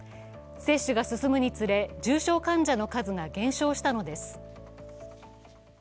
接種が進むにつれ、重症患者の数が減少したのです。